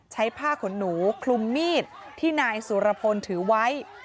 ใช้ผ้าขนหนูคลุมมีดที่นายสุรพลถือไว้